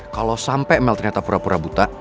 kalo sampe mel ternyata pura pura buta